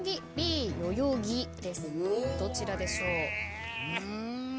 どちらでしょう？